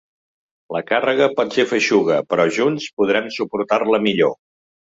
La càrrega pot ser feixuga, però junts podrem suportar-la millor.